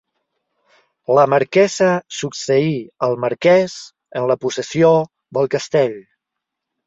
La marquesa succeí al marquès en la possessió del castell.